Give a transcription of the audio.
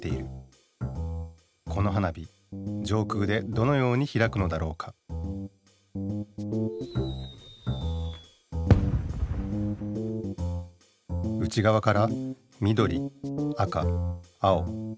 この花火上空でどのようにひらくのだろうか内がわからみどり赤青。